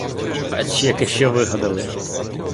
Ач яке ще вигадали!